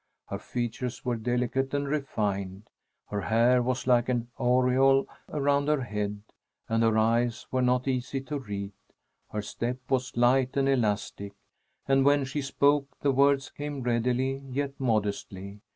Her features were delicate and refined; her hair was like an aureole around her head, and her eyes were not easy to read. Her step was light and elastic, and when she spoke, the words came readily, yet modestly.